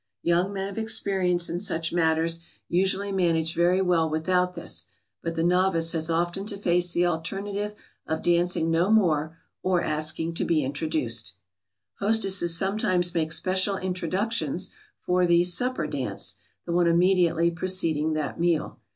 Young men of experience in such matters usually manage very well without this, but the novice has often to face the alternative of dancing no more or asking to be introduced. [Sidenote: The "supper" dance.] Hostesses sometimes make special introductions for the "supper" dance, the one immediately preceding that meal.